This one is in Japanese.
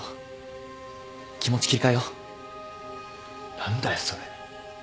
何だよそれ。